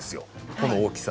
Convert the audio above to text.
この大きさ。